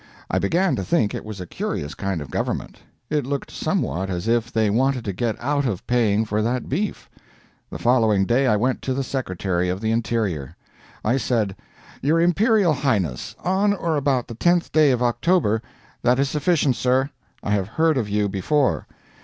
I began to think it was a curious kind of government. It looked somewhat as if they wanted to get out of paying for that beef. The following day I went to the Secretary of the Interior. I said, "Your Imperial Highness, on or about the 10th day of October " "That is sufficient, sir. I have heard of you before.